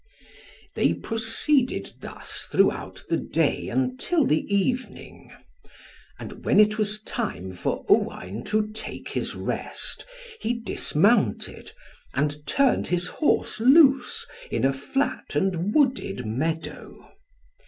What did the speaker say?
They proceeded thus throughout the day, until the evening. And when it was time for Owain to take his rest, he dismounted, and turned his horse loose in a flat and wooded meadow.